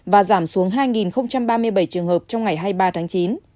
và giảm xuống hai ba mươi bảy trường hợp trong ngày hai mươi ba tháng chín